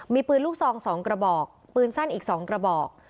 มีปืนลูกซอง๒กระบอกปืนสั้นอีก๒กระบอก